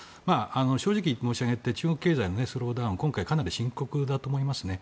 正直申し上げて、中国経済は今回かなり深刻だと思いますね。